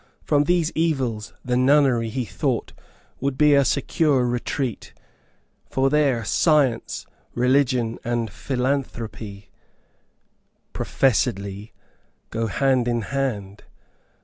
From these evils the nunnery, he thought, would be a secure retreat, for there science, religion, and philanthropy, PROFESSEDLY, go hand in hand.